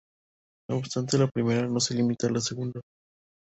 No obstante, la primera no se limita a la segunda.